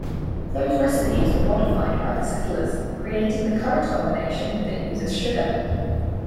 Those recipes were modified by the settlers, creating the current combination that uses sugar.